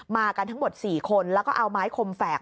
มากันทั้งหมด๔คนแล้วก็เอาไม้คมแฝก